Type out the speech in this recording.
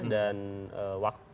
dan tepat waktu itu